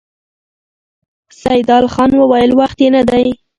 سيدال خان وويل: وخت يې نه دی؟